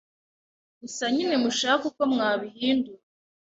Gusa nyine mushake uko mwabihindura